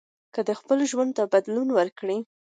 که خپل ژوند ته بدلون ورکړئ